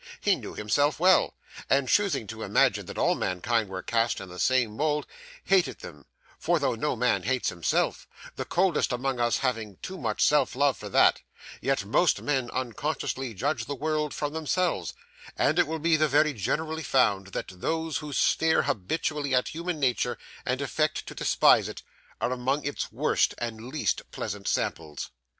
He knew himself well, and choosing to imagine that all mankind were cast in the same mould, hated them; for, though no man hates himself, the coldest among us having too much self love for that, yet most men unconsciously judge the world from themselves, and it will be very generally found that those who sneer habitually at human nature, and affect to despise it, are among its worst and least pleasant samples.